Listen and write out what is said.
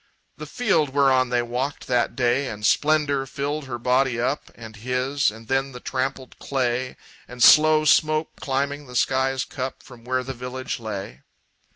The field whereon they walked that day, And splendor filled her body up, And his; and then the trampled clay, And slow smoke climbing the sky's cup From where the village lay.